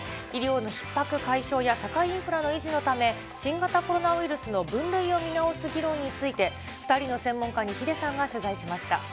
医療のひっ迫解消や社会インフラの維持のため、新型コロナウイルスの分類を見直す議論について、２人の専門家にヒデさんが取材しました。